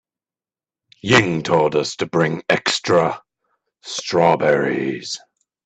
Ying told us to bring extra strawberries.